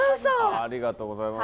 ありがとうございます。